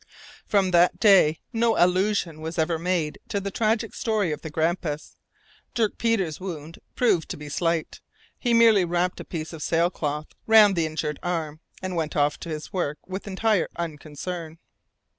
From that day no allusion was ever made to the tragic story of the Grampus. Dirk Peters' wound proved to be slight; he merely wrapped a piece of sailcloth round the injured arm, and went off to his work with entire unconcern.